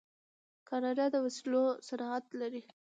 کاناډا د وسلو صنعت لري.